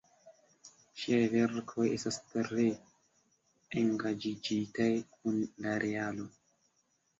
Ŝiaj verkoj estas tre engaĝiĝitaj kun la realo.